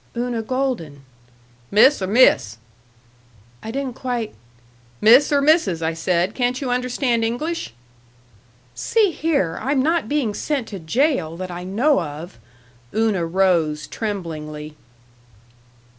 "Una Golden." "Miss uh Miss?" "I didn't quite " "Miss or Mrs., I said. Can't you understand English?" "See here, I'm not being sent to jail that I know of!" Una rose, tremblingly.